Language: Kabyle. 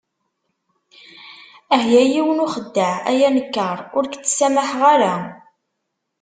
Ah ya yiwen n uxeddaɛ, ay anekkar, ur k-ttsamaḥeɣ ara.